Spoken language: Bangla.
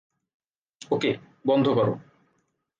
ওকে, বন্ধ করো।